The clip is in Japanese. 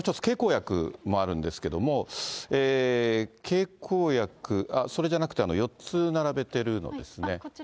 経口薬もあるんですけども、経口薬、それじゃなくて４つ並べてるのですね。